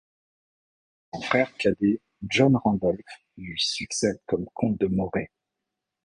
Son frère cadet John Randolph lui succède comme comte de Moray.